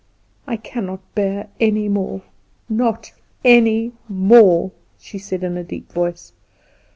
"I cannot bear any more, not any more," she said in a deep voice.